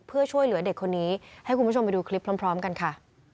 เพื่อช่วยเหลือเด็กคนนี้ให้คุณผู้ชมไปดูคลิปพร้อมกันค่ะ